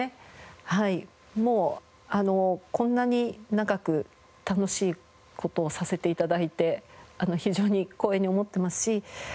もうこんなに長く楽しい事をさせて頂いて非常に光栄に思ってますし。